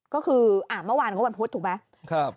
ก็คือเมื่อวานก็วันพุธถูกไหม